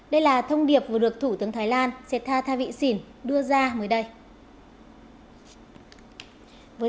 đây là thông điệp vừa được thủ tướng thái lan set tha tha vị xỉn đưa ra mới đây